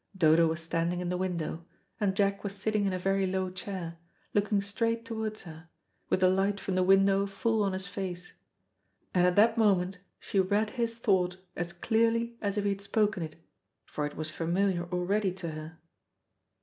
Dodo was standing in the window, and Jack was sitting in a very low chair, looking straight towards her, with the light from the window full on his face, and at that moment she read his thought as clearly as if he had spoken it, for it was familiar already to her.